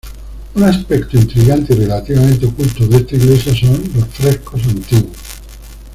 Un aspecto intrigante y relativamente oculto de esta iglesia son los frescos antiguos.